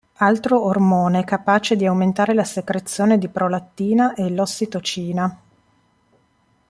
Altro ormone capace di aumentare la secrezione di prolattina è l'ossitocina.